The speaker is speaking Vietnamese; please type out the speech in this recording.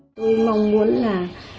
tôi mong muốn là